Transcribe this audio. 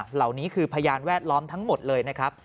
เหล่านี้คือพยานแวดล้อมทั้งหมดเลยนะครับ